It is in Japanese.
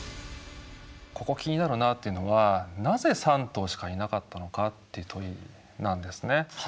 ここ気になるなというのは「なぜ３頭しかいなかったのか？」という問いなんですね。